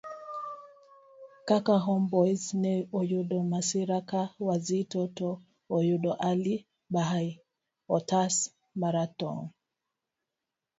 kk Homeboyz ne oyudo masira ka Wazito to oyudo Ali bhai otas maratong'